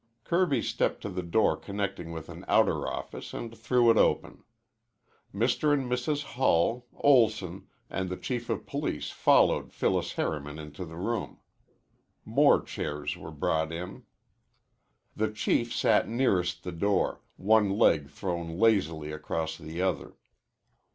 Kirby stepped to the door connecting with an outer office and threw it open. Mr. and Mrs. Hull, Olson, and the Chief of Police followed Phyllis Harriman into the room. More chairs were brought in. The Chief sat nearest the door, one leg thrown lazily across the other.